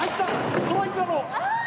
ストライクだろ！ああ！